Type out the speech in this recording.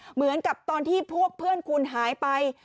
เหมือนกับตอนที่พวกเพื่อนคุณหายไป